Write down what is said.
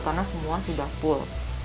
karena semua sudah full